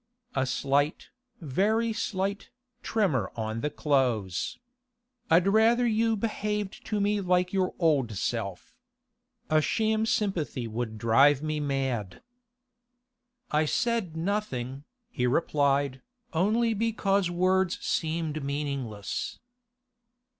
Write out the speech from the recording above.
A slight, very slight, tremor on the close. 'I'd rather you behaved to me like your old self. A sham sympathy would drive me mad.' 'I said nothing,' he replied, 'only because words seemed meaningless.